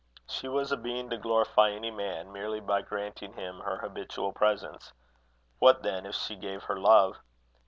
She was a being to glorify any man merely by granting him her habitual presence: what, then, if she gave her love!